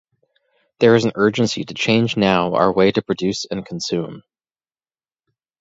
There is an urgency to change now our way to produce and consume.